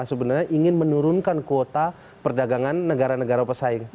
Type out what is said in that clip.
sebenarnya ingin menurunkan kuota perdagangan negara negara pesaing